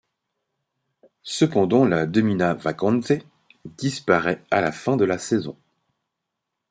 Cependant la Domina Vacanze disparaît à la fin de la saison.